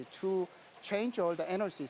untuk mengubah sumber energi